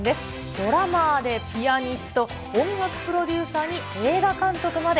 ドラマーでピアニスト、音楽プロデューサーに映画監督まで。